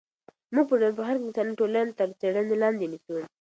موږ په ټولنپوهنه کې انساني ټولنې تر څېړنې لاندې نیسو.